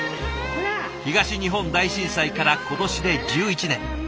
東日本大震災から今年で１１年。